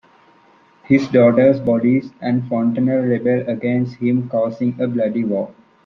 His daughters Bodice and Fontanelle rebel against him, causing a bloody war.